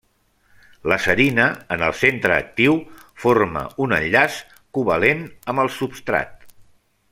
La Serina en el centre actiu forma un enllaç covalent amb el substrat.